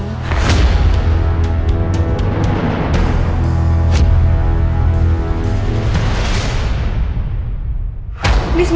ini semua tuh salah kamu ya dego